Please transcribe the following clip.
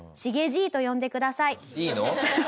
いいの？